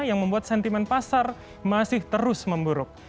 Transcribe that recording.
yang membuat sentimen pasar masih terus memburuk